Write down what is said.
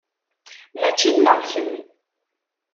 Mačči nneɣ kemm.